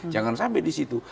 jangan sampai di situ